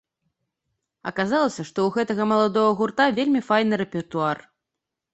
Аказалася, што ў гэтага маладога гурта вельмі файны рэпертуар.